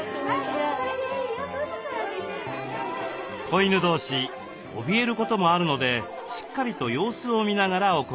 子犬同士おびえることもあるのでしっかりと様子を見ながら行います。